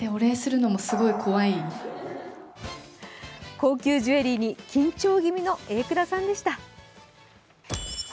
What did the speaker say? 高級ジュエリーに緊張気味の榮倉さんでした。